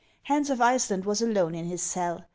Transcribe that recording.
Hans of Iceland was alone in his cell.